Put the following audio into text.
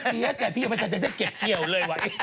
พี่เชียร์ใจพี่มันจะได้เก็บเกี่ยวเลยว่ะ